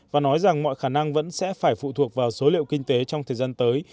và nói rằng mọi khả năng vẫn sẽ phải phụ thuộc vào số liệu kinh tế trong thời gian tới